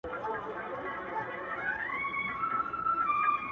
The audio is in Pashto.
o راته ښكلا راوړي او ساه راكړي ـ